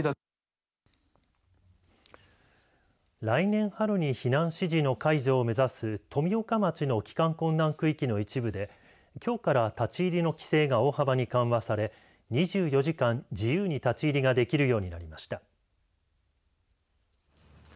来年春に避難指示の解除を目指す富岡町の帰還困難区域の一部できょうから立ち入りの規制が大幅に緩和され２４時間、自由に立ち入りができるようになりました。